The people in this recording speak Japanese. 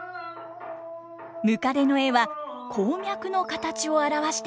ムカデの絵は鉱脈の形を表しているとか。